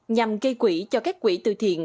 nhằm gây quỹ cho các quỹ từ thiện